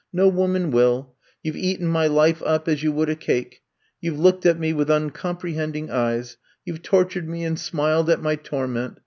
No woman will. You Ve eaten my life up as you would a cake. You Ve looked at me with uncom prehending eyes. You Ve tortured me and smiled at my torment.